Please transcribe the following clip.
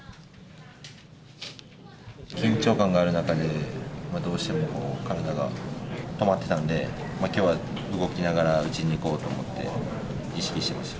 緊張感がある中で、どうしても体が止まってたんで、きょうは動きながら打ちにいこうと思って、意識してました。